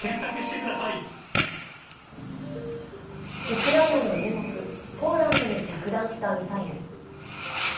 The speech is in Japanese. ウクライナの隣国ポーランドに着弾したミサイル。